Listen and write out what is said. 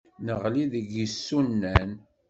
Neɣli deg yisunan.